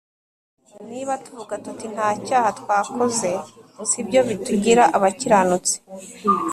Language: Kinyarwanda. Niba tuvuga tuti nta cyaha twakoze sibyo bitugira abakiranutsi